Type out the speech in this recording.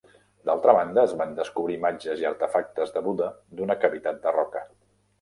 D'altra banda, es van descobrir imatges i artefactes de Buda d'una cavitat de roca.